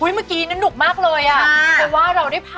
เฮ้ยเมื่อกี้นั่นหนุ่กมากเลย